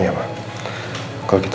iya ma kalau gitu